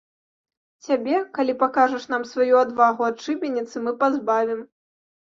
Цябе, калі пакажаш нам сваю адвагу, ад шыбеніцы мы пазбавім!